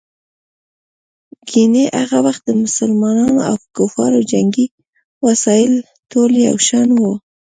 ګیني هغه وخت د مسلمانانو او کفارو جنګي وسایل ټول یو شان وو.